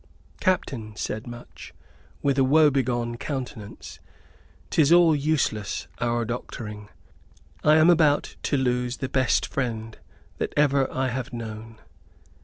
"Captain," said Much, with a woebegone countenance, "'tis all useless, our doctoring I am about to lose the best friend that ever I have known.